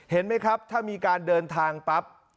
เห็นไหมครับถ้ามีการเดินทางปั๊บ